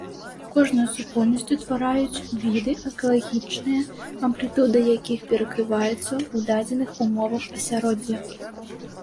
Кожную супольнасць утвараюць віды, экалагічныя амплітуды якіх перакрываюцца ў дадзеных умовах асяроддзя.